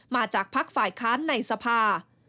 มาจากภักดิ์ฝ่ายค้านในสภา